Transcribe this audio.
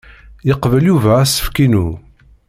Yeqbel Yuba asefk-inu.